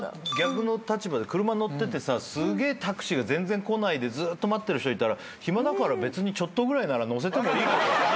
すげえタクシーが全然来ないでずっと待ってる人いたら暇だから別にちょっとぐらいなら乗せてもいいかと。